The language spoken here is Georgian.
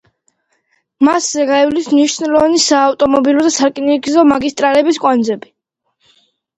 მასზე გაივლის მნიშვნელოვანი საავტომობილო და სარკინიგზო მაგისტრალების კვანძები.